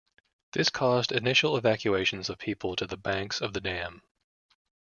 This caused initial evacuations of people to the banks of the dam.